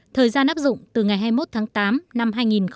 thời gian áp dụng từ ngày hai mươi một tháng tám năm hai nghìn một mươi chín